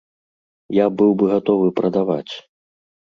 Я быў бы гатовы прадаваць.